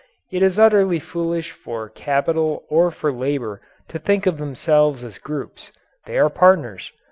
It is utterly foolish for Capital or for Labour to think of themselves as groups. They are partners.